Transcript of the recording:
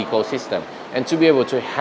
chúng ta cần một cơ hội